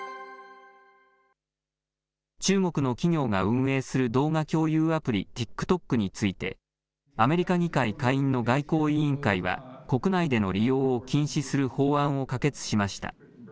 中国の企業が運営する動画共有アプリ、ＴｉｋＴｏｋについて、アメリカ議会下院の外交委員会は、国内での利用を禁止する法案を可決しました。